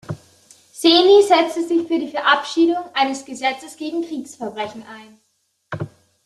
Seni setzte sich für die Verabschiedung eines Gesetzes gegen Kriegsverbrechen ein.